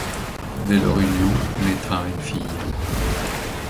De leur union naîtra une fille.